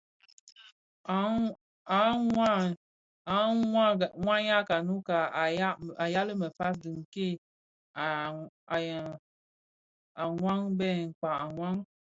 A wayag a Nnouka a yal mefas le dhi Nke a wayag bè Mkpag a wayag.